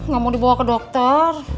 nggak mau dibawa ke dokter